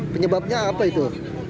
penyebabnya apa itu